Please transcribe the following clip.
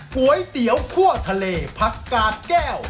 ก๋วยเตี๋ยวคั่วทะเลผักกาดแก้ว